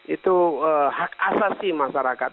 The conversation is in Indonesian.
itu hak asasi masyarakat